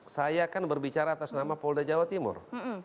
saya kan berbicara atas nama polda jawa timur